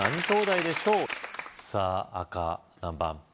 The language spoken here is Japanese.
さぁ赤何番？